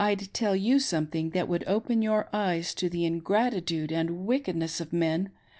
— I'd tell you something that would open your eyes to the ingrati tude and wickedness of men.